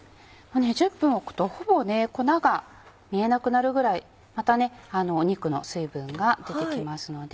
１０分置くとほぼ粉が見えなくなるぐらいまた肉の水分が出てきますので。